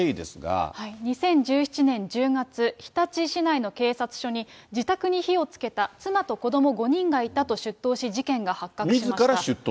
２０１７年１０月、日立市内の警察署に自宅に火をつけた、妻と子ども５人がいたと出頭し、事件が発覚しました。